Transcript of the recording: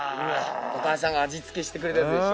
お母さんが味付けしてくれたやつでしょ。